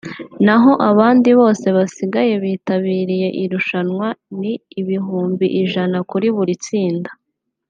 naho abandi bose basigaye bitabiriye irushanwa ni ibihumbi ijana kuri buri tsinda